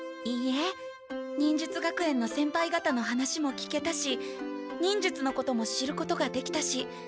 いいえ忍術学園の先輩方の話も聞けたし忍術のことも知ることができたし。